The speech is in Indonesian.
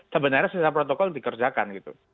sebenarnya secara protokol dikerjakan gitu